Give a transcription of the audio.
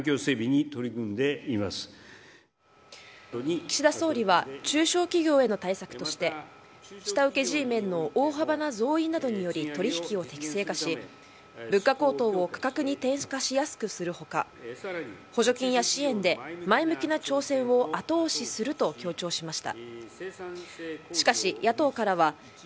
岸田総理は中小企業への対策として下請けＧメンの大幅な増員などにより取引を適正化し物価高騰を価格に転嫁しやすくする他補助金や支援で前向きな挑戦を後押しすると強調しました。